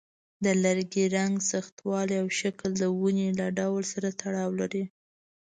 د لرګي رنګ، سختوالی، او شکل د ونې له ډول سره تړاو لري.